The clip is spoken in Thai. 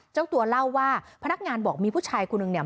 เจ้าตัวเล่าว่าพนักงานบอกมีผู้ชายคนหนึ่งเนี่ย